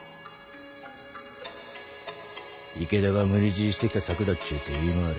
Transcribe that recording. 池田が無理強いしてきた策だっちゅて言い回れ。